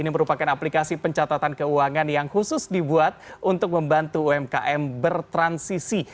ini merupakan aplikasi pencatatan keuangan yang khusus dibuat untuk membantu umkm bertransisi